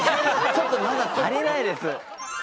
ちょっと足りないです。